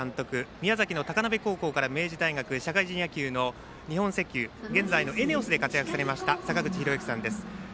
宮崎の高鍋高校から明治大学日本石油、現在のＥＮＥＯＳで活躍されました坂口裕之さんです。